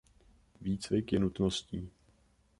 Výcvik je nutností.